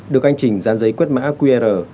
được anh trình dán giấy quyết mã qr